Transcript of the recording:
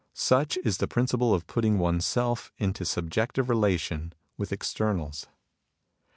Such is the principle of putting oneself into subjective relation with externals.